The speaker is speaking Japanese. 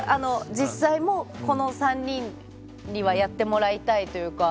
実際もこの３人にやってもらいたいというか。